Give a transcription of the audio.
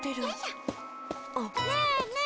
ねえねえ